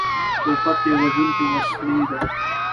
توپک یوه وژونکې وسلې ده.